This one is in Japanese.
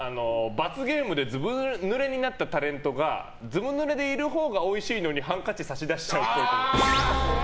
罰ゲームでずぶぬれになったタレントがずぶぬれでいるほうがおいしいのにハンカチ差し出しちゃうっぽい。